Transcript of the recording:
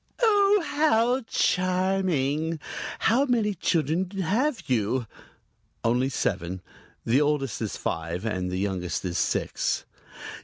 "Oh, how charming! How many children have you?" "Only seven. The oldest is five and the youngest is six."